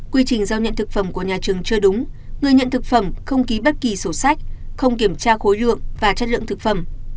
quy trình giao nhận thực phẩm của nhà trường chưa đúng người nhận thực phẩm không ký bất kỳ sổ sách không kiểm tra khối lượng và chất lượng thực phẩm